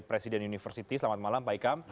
presiden universiti selamat malam pak sikam